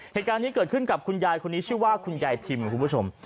เหตุการณ์นี้เกิดขึ้นกับคุณยายคนนี้ชื่อว่าคุณยายทิมคุณผู้ชม